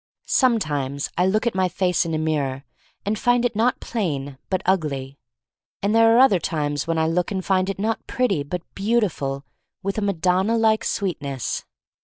Sometimes I look at my face in a mirror and find it not plain but ugly. And there are other times when I look and find it not pretty but beautiful with a Madonna like sweetness.